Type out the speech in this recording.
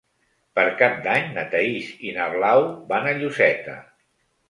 Per Cap d'Any na Thaís i na Blau van a Lloseta.